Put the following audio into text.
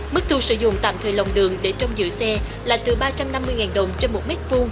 mức thu sử dụng tạm thời lòng đường để trong giữa xe là từ ba trăm năm mươi đồng trên một mét vuông